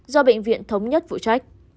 do bệnh viện thống nhất vụ trách